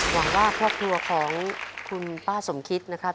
หวังว่าครอบครัวของคุณป้าสมคิดนะครับ